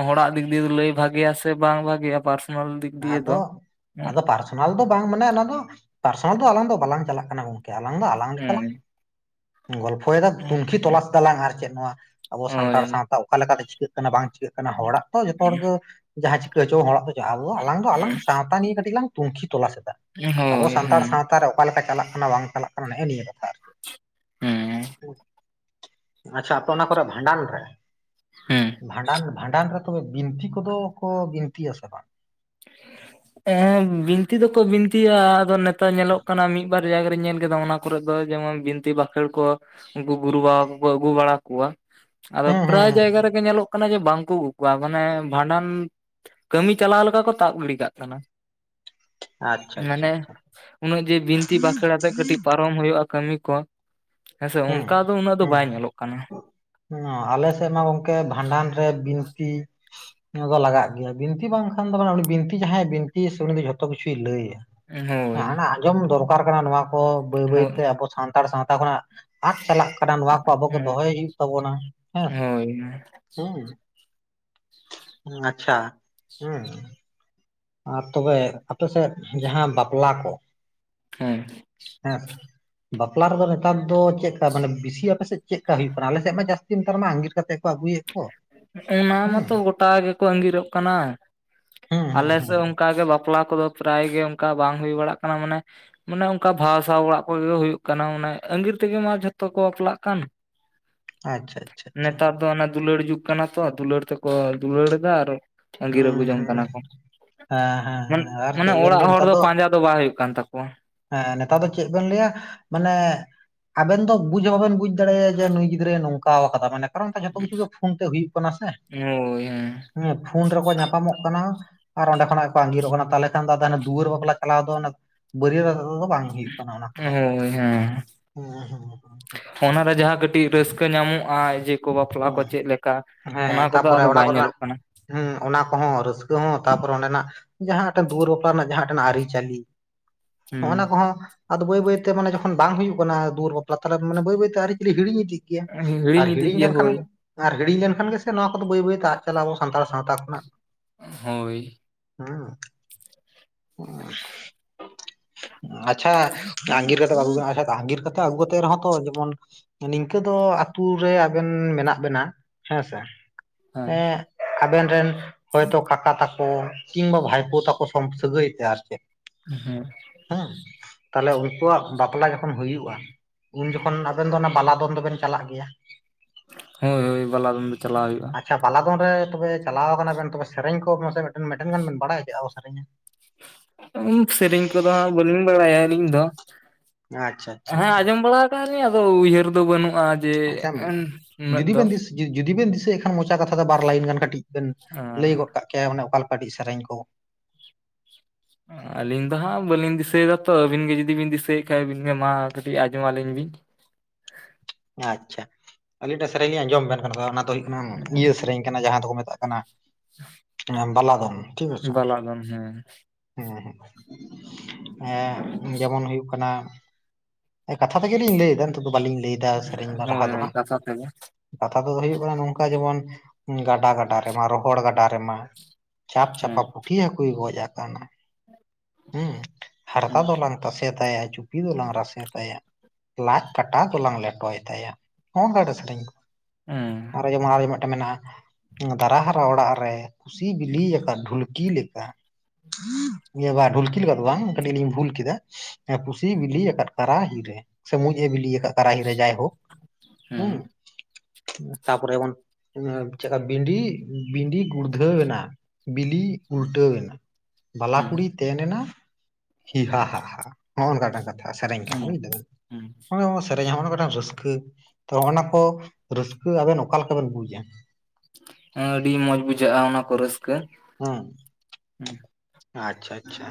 ᱦᱚᱲᱟᱜ ᱫᱤᱠ ᱫᱤᱭᱮ ᱞᱟᱹᱭ ᱵᱷᱟᱜᱮᱭᱟ ᱥᱮ ᱵᱟᱝ ᱵᱷᱟᱜᱮᱭᱟ᱾ ᱫᱤᱠ ᱫᱤᱭᱮ ᱫᱚ
ᱟᱫᱚ ᱟᱫᱚ ᱯᱟᱨᱼᱼ ᱚᱱᱟ ᱫᱚ ᱵᱟᱝ ᱢᱟᱱᱮ ᱚᱱᱟ ᱫᱚ ᱯᱟᱨᱥᱚᱱᱟᱞ ᱫᱚ ᱟᱞᱟᱝ ᱫᱚ ᱵᱟᱞᱟᱝ ᱪᱟᱞᱟᱜ ᱠᱟᱱᱟ ᱜᱚᱝᱠᱮ ᱟᱞᱟᱝ ᱫᱚ ᱟᱞᱟᱝ ᱞᱮᱠᱟ ᱞᱟᱝ, ᱜᱚᱞᱯᱷᱚᱭᱮᱫᱟ ᱛᱩᱱᱠᱷᱤ ᱛᱚᱞᱟᱥ ᱫᱟᱞᱟᱝ ᱟᱨ ᱪᱮᱫ ᱱᱚᱣᱟ ᱟᱵᱚ ᱥᱟᱱᱛᱟᱲ
ᱦᱳᱭ
ᱥᱟᱶᱛᱟ ᱚᱠᱟᱞᱮ ᱞᱮᱠᱟᱛᱮ ᱪᱤᱠᱟᱹᱜ᱾ ᱵᱟᱝ ᱪᱤᱠᱟᱹᱜ ᱠᱟᱱᱟ ᱦᱚᱲᱟᱜ ᱛᱚ ᱡᱚᱛᱚ ᱦᱚᱲ ᱜᱮ ᱡᱟᱦᱟᱸ ᱪᱤᱠᱟᱹ ᱦᱚᱪᱚ ᱦᱚᱲᱟᱜ ᱫᱚ ᱟᱞᱟᱝ ᱫᱚ ᱟᱞᱟᱝ ᱥᱟᱶᱼᱼ ᱦᱟᱱᱟ ᱱᱤᱭᱟᱹ ᱠᱟᱹᱴᱤᱡ ᱞᱟᱝ ᱛᱩᱱᱠᱷᱤ ᱛᱚᱞᱟᱥ ᱮᱫᱟ
ᱦᱳᱭ
ᱟᱵᱚ
ᱦᱳᱭ
ᱥᱟᱱᱛᱟᱲ
ᱦᱮᱸ
ᱥᱟᱶᱛᱟ ᱨᱮ᱾ ᱚᱠᱟᱞᱮᱠᱟ ᱪᱟᱞᱟᱜ ᱠᱟᱱᱟ ᱵᱟᱝ ᱪᱟᱞᱟᱜ ᱠᱟᱱᱟ ᱱᱮᱜᱼᱮ ᱱᱤᱭᱟᱹ ᱠᱟᱛᱷᱟ ᱟᱨᱠᱤ᱾
ᱦᱮᱸ
ᱟᱪᱪᱷᱟ ᱟᱯᱮ ᱚᱱᱟ ᱠᱚᱨᱮ ᱵᱷᱟᱸᱰᱟᱱ ᱨᱮᱼᱼ
ᱦᱩᱸ᱾
ᱵᱷᱟᱸᱰᱟᱱ ᱵᱷᱟᱸᱰᱟᱱ ᱨᱮ ᱛᱚᱵᱮ ᱵᱤᱱᱛᱤ ᱠᱚᱫᱚ ᱠᱚ ᱵᱤᱱᱛᱤᱭᱟ ᱥᱮ ᱵᱟᱝ?
ᱮᱸ ᱵᱤᱱᱛᱤᱤ ᱫᱚᱠᱚ ᱵᱤᱱᱛᱤᱤᱭᱟ ᱟᱫᱚᱱᱮᱼᱼ ᱛᱚ ᱧᱮᱞᱚᱜ ᱠᱟᱱᱟ ᱢᱤᱫ ᱵᱟᱨ ᱡᱟᱭᱜᱟ ᱨᱮ. ᱧ ᱧᱮᱞ ᱠᱮᱫᱟ ᱚᱱᱟ ᱠᱚᱨᱮ ᱫᱚ ᱡᱮᱢᱚᱱ ᱵᱤᱱᱛᱤ ᱵᱟᱠᱷᱮᱲ ᱠᱚ, ᱩᱱᱠᱩ ᱜᱩᱨᱩ ᱵᱟᱵᱟ ᱠᱚᱠᱚ ᱟᱹᱜᱩ ᱵᱟᱲᱟ ᱠᱚᱣᱟ ᱟᱫᱚ
ᱦᱩᱸ ᱦᱩᱸ
ᱯᱨᱟᱭ
ᱦᱩᱸ
ᱡᱟᱭᱜᱟ ᱨᱮᱜᱮ ᱧᱮᱞᱚᱜ ᱠᱟᱱᱟᱼᱼ ᱡᱮ ᱵᱟᱝᱠᱚ ᱟᱹᱜᱩ ᱠᱚᱣᱟ ᱢᱟᱱᱮ ᱵᱷᱟᱸᱰᱟᱱ ᱠᱟᱹᱢᱤ ᱪᱟᱞᱟᱣ ᱞᱮᱠᱟ ᱠᱚ᱾ ᱛᱟ. ᱵ ᱜᱤᱰᱤ ᱠᱟᱜ ᱠᱟᱱᱟ᱾
ᱟᱪᱪᱷᱟ ᱟᱪᱪᱷᱟ
ᱢᱟᱱᱮ
ᱟᱪᱪᱷᱟ
ᱩᱱᱟᱹᱜ ᱡᱮ ᱵᱤᱱᱛᱤ ᱵᱟᱠᱷᱲ ᱟᱛᱮᱜ ᱠᱟᱹᱴᱤᱡ ᱯᱟᱼᱼ ᱯᱟᱨᱚᱢ ᱦᱩᱭᱩᱜᱼᱟ ᱠᱟᱹᱢᱤ ᱠᱚ ᱦᱮᱸᱥᱮ
ᱦᱩᱸ
ᱚᱱᱠᱟ ᱫᱚ ᱩᱱᱟᱹᱜ ᱫᱚ ᱵᱟᱭ ᱧᱮᱞᱚᱜ ᱠᱟᱱᱟ᱾
ᱦᱚ ᱟᱞᱮ ᱥᱮᱫ ᱢᱟ ᱜᱚᱝᱠᱮ ᱵᱷᱟᱸᱰᱟᱱ ᱨᱮ ᱵᱤᱱᱛᱤᱼᱼ ᱱᱚᱣᱟ ᱫᱚ ᱞᱟᱜᱟᱜ ᱜᱮᱭᱟ ᱵᱤᱱᱛᱤ ᱵᱟᱝᱠᱷᱟᱱ ᱫᱚ ᱢᱟᱱᱮ ᱩᱱᱤ ᱵᱤᱱᱛᱤ ᱡᱟᱦᱟᱸᱭ ᱵᱤᱱᱛ ᱥᱮ ᱩᱱᱤ ᱫᱚ ᱡᱷᱚᱛᱚ ᱠᱤᱪᱷᱩᱭ ᱞᱟᱹᱭᱟ᱾
ᱦᱳᱭ
ᱟᱸᱡᱚᱢ ᱫᱚᱨᱠᱟᱨ ᱠᱟᱱᱟ ᱱᱚᱣᱟ ᱠᱚ ᱵᱟᱹᱭ
ᱦᱳᱭ
ᱵᱟᱹᱭᱛᱮ ᱟᱵᱚ ᱥᱟᱱᱛᱟᱲ ᱥᱟᱶᱛᱟ ᱠᱷᱚᱱᱟᱜᱼᱼ ᱟ. ᱫᱽ ᱪᱟᱞᱟᱜ ᱠᱟᱱᱟ ᱱᱚᱣᱟ ᱠᱚ ᱟᱵᱚᱜᱮ
ᱦᱮᱸ
ᱫᱚᱦᱚᱭ ᱦᱩᱭᱩᱜ ᱛᱟᱵᱚᱱᱟ ᱦᱮᱸ ᱥᱮ
ᱦᱳᱭ
ᱦᱮᱸ᱾ ᱟᱪᱪᱷᱟ ᱦᱩᱸ᱾ ᱟᱨ ᱛᱚᱵᱮ ᱟᱯᱮᱥᱮᱫ ᱡᱟᱦᱟᱸ ᱵᱟᱯᱞᱟ ᱠᱚ,
ᱦᱮᱸ
ᱦᱮ ᱥᱮ, ᱵᱟᱯᱞᱟ ᱨᱮᱫᱚ ᱱᱮᱛᱟᱨ ᱫᱚ ᱪᱮᱫ ᱞᱮᱠᱟ ᱢᱟᱱᱮ ᱵᱤᱥᱤ ᱟᱯᱮ ᱥᱮᱫ ᱪᱮᱫ ᱞᱮᱠᱟᱠᱟ ᱦᱩᱭᱩᱜ ᱠᱟᱱᱟ ᱟᱞᱮᱥᱮᱫ ᱢᱟ ᱡᱟᱹᱥᱛᱤ ᱱᱮᱛᱟᱨ ᱢᱟ ᱟᱸᱜᱤᱨ ᱠᱟᱛᱮᱼᱼ ᱠᱚ ᱟᱹᱜᱩᱭᱟ ᱠᱚ᱾
ᱚᱱᱟ
ᱦᱩᱸ
ᱢᱟᱛᱚ ᱜᱚᱴᱟ ᱜᱮᱠᱚ ᱟᱜᱤᱨᱚᱜ ᱠᱟᱱᱟ ᱟᱞᱮᱼᱼ
ᱦᱩᱸ ᱦᱩᱸ
ᱟᱞᱮ
ᱦᱩᱸ
ᱥᱮᱜ ᱚᱱᱠᱟᱜᱮ ᱵᱟᱯᱞᱟ ᱠᱚᱫᱚ ᱯᱨᱟᱭ ᱜᱮ ᱚᱱᱠᱟ ᱵᱟᱝ ᱦᱩᱭ ᱵᱟᱲᱟᱜ ᱠᱟᱱᱟ ᱢᱟᱱᱮᱼᱼ ᱢᱟᱱᱮ ᱚᱱᱠᱟ ᱵᱷᱟᱥᱟ ᱚᱲᱟᱜ ᱠᱚᱜᱮ ᱦᱩᱭᱩᱜ ᱠᱟᱱᱟ ᱟᱱᱮ ᱟᱸᱜᱤᱨ ᱛᱮᱜᱮ ᱢᱟ ᱡᱷᱚᱛᱚ ᱠᱚ ᱵᱟᱯᱞᱟᱜ ᱠᱟᱱ᱾
ᱟᱪᱪᱷᱟ ᱟᱪᱷ᱾
ᱱᱮᱛᱟᱨ ᱫᱚ ᱚᱱᱮ ᱫᱩᱞᱟᱹᱲ ᱡᱩᱜ ᱠᱟᱱᱟ ᱛᱚ ᱫᱩᱞᱟᱹᱲ ᱛᱮᱠᱚ ᱫᱩᱞᱟᱹᱲ ᱫᱟ ᱟᱨ ᱟᱸᱜᱤᱨ ᱟᱹᱜᱩ
ᱦᱩᱸ
ᱡᱚᱝ
ᱦᱩᱸ
ᱠᱟᱱᱟ ᱠᱚ᱾
ᱦᱮᱸ ᱦᱮᱸ
ᱢᱟᱱᱮ
ᱦᱮᱸ ᱟᱨ
ᱢᱟᱱᱮ
ᱪᱮᱫ ᱵᱮᱱ
ᱚᱲᱟᱜ
ᱞᱟᱹᱭᱟ
ᱦᱚᱲ
ᱱᱮᱛᱟᱨ
ᱫᱚ ᱯᱟᱸᱡᱟ ᱫᱚ ᱵᱟᱝ ᱦᱩᱭᱩᱜ ᱠᱟᱱ ᱛᱟᱠᱚᱣᱟ᱾
ᱦᱮᱸ ᱱᱮᱛᱟᱨ ᱫᱚ ᱪᱮᱫ ᱵᱮᱱ ᱞᱟᱹᱭᱟ ᱢᱟᱱᱮ ᱟᱵᱮᱱ ᱫᱚ ᱵᱩᱡ ᱦᱚᱸ ᱵᱟᱵᱮᱱ ᱵᱩᱡ ᱫᱟᱲᱮᱭᱟᱭᱟ ᱡᱮ ᱡᱮ ᱱᱩᱭ ᱜᱤᱫᱽᱨᱟᱹᱭ ᱱᱚᱝᱠᱟᱣ ᱠᱟᱫᱟ ᱢᱟᱱᱮ ᱠᱟᱨᱚᱱ ᱚᱱᱠᱟ ᱡᱷᱚᱛᱚ ᱠᱤᱪᱷᱩ ᱜᱮ ᱯᱷᱳᱱ ᱛᱮ ᱦᱩᱭᱩᱜ ᱠᱟᱱᱟ ᱥᱮ᱾
ᱦᱳᱭ ᱦᱮᱸ
ᱦᱩᱸ ᱯᱷᱳᱱ ᱨᱮᱠᱚ ᱧᱟᱯᱟᱢᱚᱜ ᱠᱟᱱᱟ ᱟᱨ ᱚᱸᱰᱮ ᱠᱷᱚᱱᱟᱜ ᱜᱮᱠᱚ ᱟᱸᱜᱤᱨᱚᱜ ᱠᱟᱱᱟ ᱛᱟᱦᱚᱞᱮ ᱠᱷᱟᱱ ᱫᱚ ᱟᱫᱚ ᱦᱟᱱᱮ ᱫᱩᱣᱟᱹᱨ ᱵᱟᱯᱞᱟ ᱪᱟᱞᱟᱣ ᱫᱚ ᱚᱱᱟ ᱵᱟᱹᱨᱭᱟᱹᱛ ᱟᱛᱮ ᱛᱮᱫᱚ ᱵᱟᱝ ᱦᱩᱭᱩᱜ ᱠᱟᱱᱟ ᱚᱱᱟ ᱠᱚᱫᱚ᱾
ᱦᱳᱭ ᱦᱮᱸ
ᱦᱩᱸ ᱦᱩᱸ᱾
ᱚᱱᱟᱨᱮ ᱡᱟᱦᱟᱸ ᱠᱟᱹᱴᱤᱡ ᱨᱟᱹᱥᱠᱟᱹ ᱧᱟᱢᱚᱜᱼᱟ ᱡᱮ ᱠᱚ ᱵᱟᱯᱞᱟ ᱠᱚ ᱪᱮᱫ ᱞᱮᱠᱟ,
ᱦᱮᱸ
ᱚᱱᱟ
ᱦᱮᱸ
ᱠᱚᱫᱚ
ᱛᱟᱯᱚᱨᱮ
ᱟᱫᱚ
ᱚᱱᱟ
ᱵᱟᱭ
ᱠᱚᱨᱮᱱᱟᱜ
ᱧᱮᱞᱚᱜ ᱠᱟᱱᱟ᱾
ᱦᱮᱸ ᱚᱱᱟ ᱠᱚᱦᱚᱸ ᱨᱟᱹᱥᱠᱟᱹ ᱦᱚᱸ ᱛᱟᱯᱚᱨᱮ ᱚᱸᱰᱮᱱᱟᱜ ᱡᱟᱦᱟᱸᱴᱮᱱ ᱫᱩᱣᱟᱹᱨ ᱵᱟᱯᱞᱟ ᱨᱮᱱᱟᱜ ᱡᱟᱦᱟᱸ ᱴᱮᱱ ᱟᱹᱨᱤ-ᱪᱟᱹᱞᱤ ᱦᱚᱸᱜ-ᱚᱱᱟ
ᱦᱩᱸ
ᱠᱚᱦᱚᱸ ᱟᱫᱚ ᱵᱟᱹᱭ ᱵᱟᱹᱭᱛᱮ ᱢᱟᱱᱮ ᱡᱠᱷᱚᱱ ᱵᱟᱝ ᱦᱩᱭᱩᱜ ᱠᱟᱱᱟᱩᱣᱟᱹᱨ ᱵᱟᱞᱟ ᱛᱟᱞᱦᱮ ᱢᱟᱱᱮ ᱵᱟᱹᱭ ᱵᱟᱹᱭᱛᱮ ᱟᱹᱨᱤ-ᱪᱟᱞᱤ ᱦᱤᱲᱤᱧ ᱤᱫᱜ ᱜᱮᱭᱟ ᱟᱨ
ᱤᱫᱤᱜ
ᱦᱤᱲᱤᱧ
ᱜᱮᱭᱟ
ᱞᱮᱱ
ᱦᱳᱭ
ᱟᱨ ᱦᱤᱲᱧ ᱞᱮᱱᱠᱷᱟᱱ ᱜᱮᱥᱮ ᱱᱚᱣᱟ ᱠᱚᱫᱚ ᱵᱟᱹᱭ ᱵᱟᱹᱭᱛᱮ ᱟᱫᱽ ᱪᱟᱞᱟᱼᱟ ᱟᱵᱚ ᱥᱟᱱᱛᱟᱲ ᱥᱟᱶᱛᱟ ᱠᱷᱚᱱᱟᱜ
ᱦᱳᱭ᱾
ᱦᱩᱸ᱾ ᱟᱪᱪᱷᱟ ᱟᱸᱜᱤᱨ ᱠᱟᱛᱮ [unintelligible] ᱟᱸᱜᱤᱨ ᱠᱟᱛᱮ ᱟᱹᱜᱩ ᱠᱟᱛᱮ ᱨᱮᱦᱚᱸ ᱛᱚ ᱡᱮᱚᱱ ᱱᱤᱝᱠᱟᱹ ᱫᱚ ᱟᱹᱛᱩ ᱨᱮ ᱩᱸ ᱢᱮᱱᱟᱜ ᱵᱮᱱᱟ ᱦᱮᱸ ᱥᱮ
ᱦᱮᱸ
᱾ ᱟᱵᱨᱱ ᱨᱮᱱ ᱦᱚᱭᱛᱳ ᱠᱟᱠᱟ ᱛᱟᱠᱚ ᱠᱤᱝᱵᱟ ᱵᱷᱟᱭᱯᱳ ᱛᱟᱠᱚ ᱥᱚᱢ ᱥᱟᱹᱜᱟᱹᱭ ᱛᱮ ᱟᱨ ᱪᱮᱫ᱾
ᱦᱮᱸ᱾
ᱦᱮᱸ ᱛᱟᱦᱞᱮ ᱩᱱᱠᱩᱣᱟᱜ ᱵᱟᱯᱞᱟ ᱡᱚᱠᱷᱚᱱ ᱦᱩᱭᱩᱜᱼᱟ᱾ ᱩᱱ ᱡᱚᱠᱷᱚᱱ ᱟᱵᱮᱱ ᱫᱚ ᱚᱱᱟ ᱵᱟᱞᱟ ᱫᱚᱚᱱ ᱫᱚᱵᱮᱱ ᱪᱟᱞᱟᱜ ᱜᱮᱭᱟ᱾
ᱦᱳᱭ ᱦᱳᱭ ᱵᱟᱞᱟᱫᱢ ᱫᱚ ᱪᱟᱞᱟᱣ ᱦᱩᱭᱩᱜᱼᱟ᱾
ᱟᱪᱪᱷᱟ ᱯᱟᱞᱟᱫᱚᱱ ᱨᱮ ᱛᱚᱵᱮ ᱪᱟᱞᱟᱣ ᱠᱟᱱᱟ ᱵᱮᱱ, ᱛᱚᱵᱮ ᱥᱮᱨᱮᱧ ᱠᱚ ᱢᱟᱥᱮ ᱢᱮᱜᱴᱟᱱ ᱵᱮᱱ ᱵᱟᱲᱭᱟ ᱪᱮᱜᱠᱟ ᱠᱚ ᱥᱮᱨᱮᱧᱟ᱾
ᱩᱸ ᱥᱮᱨᱮᱧ ᱠᱚᱫᱚ ᱦᱟᱸᱜ ᱵᱟᱹᱞᱤᱧ ᱵᱟᱲᱟᱭᱟ ᱟᱹᱞᱤᱧ ᱫᱚ
ᱟᱪᱪᱷᱟ ᱟᱪᱪᱷᱟ
ᱦᱮᱸ
ᱟᱪᱪᱷᱟ᱾
ᱟᱸᱡᱚᱢ ᱵᱟᱲᱟᱣ ᱛᱟᱦᱞᱮ ᱟᱫᱚ ᱩᱭᱦᱟᱹᱨ ᱫᱚ ᱵᱟᱹᱱᱩᱜᱼᱟ ᱡᱮ
ᱟᱪᱪᱷᱟ
ᱩᱱᱟᱹᱜ
ᱡᱩᱫᱤ
ᱫᱚ᱾
ᱵᱮᱱ ᱫᱤᱥ ᱡᱩᱫᱤ ᱵᱮᱱ ᱫᱤᱥᱟᱹᱭᱮᱫ ᱠᱷᱟᱱ ᱢᱚᱪᱟ ᱠᱟᱛᱷᱟ ᱛᱮ ᱵᱟᱨ ᱞᱟᱭᱤᱱ ᱜᱟᱱ ᱠᱟᱹᱴᱤᱡ ᱵᱮᱱ ᱞᱟᱹᱭ ᱜᱚᱫ ᱠᱟᱜ ᱠᱮᱭᱟ ᱢᱟᱱᱮ ᱚᱠᱟ ᱞᱮᱠᱟᱹᱴᱤᱡ ᱥᱮᱨᱮᱧ ᱠᱚ᱾
ᱚ᱾ ᱟᱹᱞᱤᱧ ᱫᱚ ᱦᱟᱸᱟᱸᱜ ᱵᱟᱹᱞᱤᱧ ᱫᱤᱥᱟᱹᱭᱮᱫᱟ ᱛᱚ ᱟᱹᱵᱤᱱᱜ ᱡᱩᱫᱤ ᱵᱤᱱ ᱫᱤᱥᱟᱹᱭᱮᱫ ᱠᱷᱟᱡ ᱟᱹᱵᱤᱱᱜ ᱢᱟ ᱠᱟᱹᱴᱤᱡ ᱟᱸᱡᱚᱢ ᱟᱹᱞᱤᱧ ᱵᱤᱱ᱾
ᱟᱪᱪᱷᱟ᱾ ᱟᱹᱞᱤᱧ ᱢᱤᱫᱴᱟᱜ ᱥᱮᱨᱮᱧ ᱞᱤᱧ ᱟᱸᱡᱚᱢ ᱟᱵᱮᱱ ᱠᱟᱱᱟ ᱚᱱᱟ ᱫᱚ ᱦᱩᱭᱩᱜ ᱠᱟᱱᱟ ᱱᱤᱭᱟᱹ ᱥᱮᱨᱮᱧ ᱠᱟᱱᱟ ᱡᱟᱦᱟᱸ ᱫᱚᱠᱚ ᱢᱮᱛᱟᱜ ᱠᱟᱱᱟ ᱮᱸ ᱵᱟᱞᱟ ᱫᱚᱱ ᱴᱷᱤᱠ ᱟᱪᱷᱮ
ᱵᱟᱞᱟ ᱫᱚᱱ ᱦᱩᱸ᱾
ᱦᱮᱸ᱾ ᱮᱸ ᱡᱮᱢᱚᱱ ᱦᱩᱭᱩᱜ ᱠᱟᱱᱟ ᱮᱸ ᱠᱟᱛᱷᱟ ᱛᱮᱜᱮᱞᱤᱧ ᱞᱟᱹᱭᱮᱫᱟ ᱱᱤᱛᱚᱜ ᱫᱚ ᱵᱟᱞᱤᱧ ᱞᱟᱹᱭᱮᱫᱟ᱾ ᱥᱮᱨᱮᱧ ᱨᱟᱦᱟ ᱫᱚ
ᱦᱳᱭ
ᱦᱟᱸᱜ
ᱠᱟᱛᱷᱟ ᱛᱮᱜᱮ᱾
ᱠᱟᱛᱷᱟ ᱛᱮᱫᱚ ᱦᱳᱭᱳᱜ ᱠᱟᱱᱟ ᱱᱚᱝᱠᱟ ᱡᱮᱢᱚᱱ ᱜᱟᱰᱟ ᱜᱟᱰᱟ ᱨᱮᱢᱟ ᱨᱚᱦᱚᱲ ᱜᱟᱰᱟ ᱨᱮᱢᱟ ᱪᱟᱯ ᱪᱟᱯᱟ
ᱦᱮᱸ
ᱯᱩᱴᱷᱤ ᱦᱟᱹᱠᱩᱭ ᱜᱚᱡ ᱟᱠᱟᱱᱟ ᱦᱩᱸ ᱦᱟᱨᱠᱟ
ᱦᱮᱸ
ᱫᱚᱞᱟᱝ ᱛᱟᱥᱮᱛ ᱛᱟᱭᱟ, ᱪᱩᱯᱤ ᱫᱚᱞᱟᱝ ᱨᱟᱥᱮ ᱛᱟᱭᱟ, ᱞᱟᱡ ᱠᱟᱴᱟ ᱫᱚᱞᱟᱝ ᱞᱮᱴᱚᱭ ᱛᱟ ᱛᱟᱭᱟ ᱦᱚᱸᱜ-ᱚᱱᱠᱟ ᱢᱮᱫᱴᱮᱡ ᱥᱮᱨᱮᱧ᱾
ᱦᱮᱸ᱾
ᱟᱨᱚ ᱡᱮᱢᱚᱱ ᱟᱨ ᱢᱤᱫᱴᱮᱱ ᱢᱮᱱᱟᱜᱼᱟ। ᱮᱸ ᱫᱟᱨᱟ ᱦᱟᱨᱟ ᱚᱲᱟᱜ ᱨᱮ, ᱯᱩᱥᱤ ᱵᱤᱞᱤᱭᱟᱠᱟᱫ ᱰᱷᱩᱞᱠᱤ ᱞᱮᱠᱟ। ᱤᱭᱟᱹ ᱵᱟ ᱰᱷᱩᱞᱠᱤ ᱞᱮᱠᱟ ᱫᱚ ᱵᱟᱝ ᱠᱟᱹᱴᱤᱡ ᱞᱤᱧ ᱵᱷᱩᱞ ᱠᱮᱫᱟ ᱯᱩᱥᱤᱭ ᱵᱤᱞᱤ ᱭᱟᱠᱟᱜ ᱠᱟᱨᱟᱦᱤ ᱨᱮ, ᱥᱮ ᱢᱩᱸᱡ ᱮ ᱵᱤᱞᱤ ᱭᱟᱠᱟᱜ ᱠᱟᱨᱟᱦᱤ ᱨᱮ ᱡᱟᱭᱦᱳᱠ᱾
ᱦᱮᱸ
ᱛᱟᱯᱚᱨᱮ ᱵᱚᱱ ᱮᱸ ᱪᱮᱜᱠᱟ ᱵᱩᱰᱤ ᱵᱤᱰᱤ ᱜᱩᱲᱫᱷᱟᱹᱣ ᱮᱱᱟ ᱵᱤᱞᱤ ᱩᱞᱴᱟᱹᱣ ᱮᱱᱟ᱾ ᱵᱟᱞᱟ
ᱦᱮᱸ
ᱠᱩᱲᱤᱭ ᱛᱮᱱᱮᱱᱟ ᱦᱤᱦᱟ ᱦᱟᱦᱟ ᱦᱚᱜᱚ ᱱᱚᱝᱠᱟ ᱠᱟᱛᱷᱟ᱾ ᱟ ᱥᱮᱨᱮᱧ
ᱦᱮᱸ
ᱠᱟᱱᱟ
ᱦᱮᱸ
ᱵᱩᱡᱽ ᱫᱟᱢ ᱚᱲᱮᱡ ᱦᱚᱸ ᱥᱮᱨᱮᱧᱟ ᱦᱚᱜᱚᱱᱟ ᱢᱤᱫᱴᱟᱝ ᱥᱚᱥ ᱠᱟᱹ ᱛᱚ ᱦᱚᱸᱜᱚᱱᱟ ᱠᱚ ᱨᱟᱹᱥᱠᱟᱹ ᱟᱵᱮᱱ ᱚᱠᱟ ᱞᱮᱠᱟ ᱵᱮᱱ ᱵᱩᱡᱟ?
ᱦᱮᱸ ᱟᱹᱰᱤ ᱢᱚᱸᱡᱽ ᱵᱩᱡᱷᱟᱹᱜᱼᱟ ᱚᱱᱟ ᱠᱚ ᱨᱟᱹᱥ
ᱦᱚᱸ ᱟᱪᱪᱷᱟ ᱟᱪᱪᱷᱟ᱾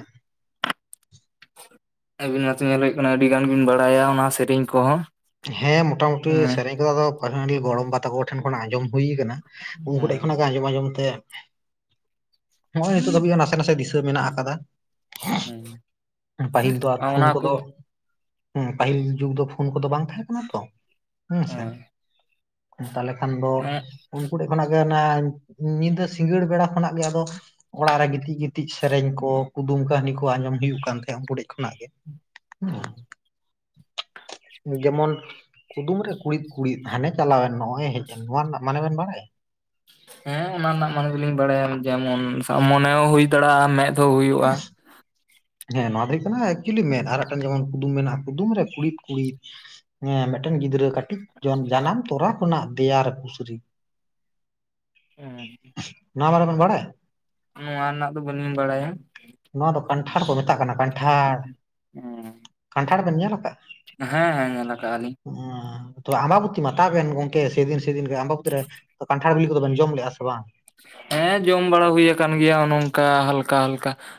ᱟᱹᱵᱤᱱ ᱚᱱᱟᱛᱮ ᱧᱮᱞ ᱦᱩᱭᱩᱜ ᱠᱟᱱᱟ ᱟᱹᱰᱤ ᱜᱟᱱ ᱵᱤᱱ ᱵᱟᱲᱟᱭᱟ ᱚᱱᱟ ᱥᱮᱨᱮᱧ ᱠᱚᱦᱚᱸ᱾
ᱦᱮᱸ ᱢᱚᱴᱟ ᱢᱩᱴᱤ
ᱦᱮᱸ
ᱥᱮᱨᱮᱧ ᱠᱚᱫᱚ ᱟᱫᱚ ᱯᱟᱹᱱᱦᱟᱹᱲᱤ ᱜᱚᱲᱚᱢ ᱵᱟ ᱛᱟᱠᱚ ᱴᱷᱮᱱ ᱠᱷᱱᱟᱜ ᱟᱸᱡᱚᱢ ᱦᱩᱭ ᱠᱟᱱᱟ᱾ ᱩᱱᱠᱩ ᱴᱮᱡ ᱠᱷᱚᱱᱟᱜ ᱜᱮ ᱟᱸᱡᱚᱢ ᱟᱸᱡᱚᱢ ᱛᱮ ᱱᱚᱜᱚᱭ ᱱᱤᱛᱚᱜ ᱫᱷᱟᱹᱵᱤᱡ ᱦᱚᱸ ᱱᱟᱥᱮ ᱱᱟᱥᱮ ᱫᱤᱥᱟᱹ ᱢᱮᱱᱟᱜ ᱟᱠᱟᱫᱟ᱾
ᱦᱮᱸ
ᱯᱟᱹᱦᱤᱞ ᱫᱚ ᱟᱨ ᱯᱷᱩᱱ
ᱚᱱᱟ ᱠᱚ
ᱠᱚᱫᱚ ᱦᱩᱸ ᱯᱟᱹᱦᱤᱞ ᱡᱩᱜᱽ ᱫᱚ ᱯᱷᱩᱱ ᱠᱚᱫᱚ ᱵᱟᱝ ᱛᱟᱦᱮᱸ ᱠᱟᱱᱟ ᱛᱚ᱾ ᱦᱮᱸᱥᱮ
ᱦᱮᱸ
ᱛᱟᱦᱞᱮ ᱠᱷᱟᱱ ᱫᱚ
ᱦᱮᱸ
ᱩᱱ ᱠᱩᱴᱤᱡ ᱠᱷᱚᱱᱟᱜ ᱜᱮ ᱱᱟᱦᱟᱜ ᱧᱤᱫᱟᱹ ᱥᱤᱸᱜᱟᱹᱲ ᱵᱮᱲᱟ ᱠᱷᱚᱱᱟᱜ ᱠᱚ ᱟᱫᱚ ᱚᱲᱟᱜ ᱨᱮ ᱜᱤᱛᱤᱡ ᱜᱤᱛᱤᱡ ᱥᱮᱨᱮᱧ ᱠᱚ ᱠᱩᱫᱩᱢ ᱠᱟᱹᱦᱱᱤ ᱠᱚ ᱟᱸᱡᱚᱢ ᱦᱩᱭᱩᱜ ᱠᱟᱱ ᱛᱟᱦᱮᱸ ᱩᱱᱠᱩᱴᱷᱮᱡ ᱠᱷᱚᱱᱟᱜ ᱜᱮ᱾
[inaudible]
ᱡᱮᱢᱚᱱ ᱠᱩᱫᱩᱢ ᱨᱮ ᱠᱩᱲᱤᱫ ᱠᱩᱲᱤᱫ ᱦᱟᱱᱮ ᱪᱟᱞᱟᱣᱮᱱ ᱱᱚᱜᱼᱚᱭ ᱦᱮᱡ ᱮᱱ, ᱱᱚᱣᱟ ᱨᱮᱱᱟᱜ ᱢᱟᱱᱮ ᱵᱮᱱ ᱵᱟᱲᱟᱭᱟ?
ᱦᱮᱸ ᱚᱱᱟ ᱨᱮᱱᱟᱜ ᱢᱟᱱᱮ ᱫᱚᱞᱤᱧ ᱵᱟᱲᱟᱭᱟ ᱡᱮᱢᱚᱱ ᱥᱟᱵ ᱢᱚᱱᱮ ᱦᱚᱸ ᱦᱩᱭ ᱫᱟᱲᱮᱭᱟᱜᱼᱟ ᱟᱨ ᱢᱮᱸᱫ ᱦᱚᱸ ᱦᱩᱭᱩᱜᱼᱟ᱾
ᱦᱮᱸ ᱱᱚᱣᱟ ᱫᱚ ᱦᱩᱭᱩᱜ ᱠᱟᱱᱟ ᱮᱠᱪᱩᱞᱤ ᱢᱮᱫ ᱟᱨ ᱢᱤᱫᱴᱮᱱ ᱡᱮᱢᱚᱱ ᱠᱩᱫᱩᱢ ᱢᱮᱱᱟᱜᱼᱟ ᱠᱩᱫᱩᱢ ᱨᱮ ᱠᱩᱲᱤᱫ ᱠᱩᱲᱤᱫ, ᱦᱮᱸ ᱢᱤᱫᱴᱮᱱ ᱜᱤᱫᱽᱨᱟᱹ ᱠᱟᱹᱴᱤᱡ ᱡᱚᱱ ᱡᱟᱱᱟᱢ ᱛᱚᱨᱟ ᱠᱷᱚᱱᱟᱜ ᱫᱮᱭᱟ ᱨᱮ ᱯᱩᱥᱨᱤ
ᱦᱮᱸ᱾
ᱱᱚᱣᱟ ᱢᱟᱱᱮ ᱵᱮᱱ ᱵᱟᱲᱟᱭ?
ᱱᱚᱣᱟ ᱨᱮᱱᱟᱜ ᱫᱚ ᱵᱟᱹᱞᱤᱧ ᱵᱟᱲᱟᱭᱟ᱾
ᱱᱚᱣᱟ ᱫᱚ ᱠᱟᱱᱴᱷᱟᱲ ᱠᱚ ᱢᱮᱛᱟᱜ ᱠᱟᱱᱟ ᱠᱟᱱᱴᱷᱟᱲ ᱠᱟᱱᱴᱷᱟᱲ ᱵᱮᱱ ᱧᱮᱞ ᱟᱠᱟᱜ?
ᱦᱮᱸ ᱦᱮᱸ ᱦᱮᱸ ᱱᱮᱛᱟᱨ ᱟᱱᱤᱜ
ᱦᱚᱸ ᱛᱚ ᱟᱢᱵᱟ ᱵᱚᱛᱤ ᱢᱟᱛᱟᱣ ᱵᱮᱱ ᱜᱚᱝᱠᱮ, ᱥᱮᱫᱤᱞ ᱥᱮᱫᱤᱞ ᱜᱮ ᱟᱢᱵᱟᱵᱚᱛᱤ ᱨᱮ ᱫᱚ ᱯᱟᱠ ᱴᱷᱟᱲ ᱰᱤᱞᱤ ᱠᱚᱫᱚ ᱵᱮᱱ ᱡᱚᱢ ᱞᱮᱜᱟ ᱥᱮ ᱵᱟᱝ?
ᱦᱮᱸ ᱡᱚᱢ ᱵᱟᱲᱟ ᱦᱩᱭ ᱟᱠᱟᱱ ᱜᱮᱭᱟ ᱱᱚᱝᱠᱟ ᱦᱟᱞᱠᱟ ᱦᱟᱞᱠᱟ᱾